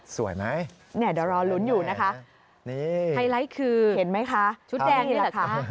สวยไหมสวยไหมนี่ไฮไลท์คือชุดแดงนี่แหละค่ะนี่เดี๋ยวรอลุ้นอยู่นะคะ